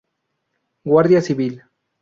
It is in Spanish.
Guardia Civil.